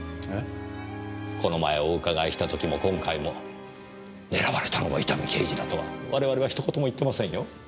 この前お伺いした時も今回も狙われたのは伊丹刑事だとは我々は一言も言ってませんよ。